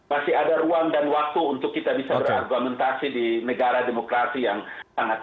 masih ada ruang dan waktu untuk kita bisa berargumentasi di negara demokrasi yang sangat